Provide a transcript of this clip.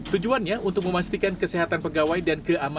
tujuannya untuk memastikan kesehatan pegawai dan keamanan